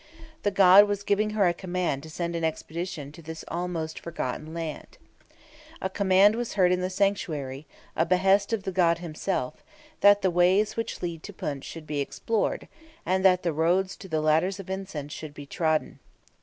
The god was giving her a command to send an expedition to this almost forgotten land. "A command was heard in the sanctuary, a behest of the god himself, that the ways which lead to Punt should be explored, and that the roads to the Ladders of Incense should be trodden."